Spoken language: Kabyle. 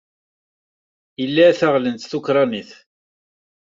Ila taɣlent tukṛanit.